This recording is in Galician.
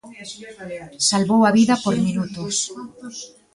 Salvou a vida por minutos.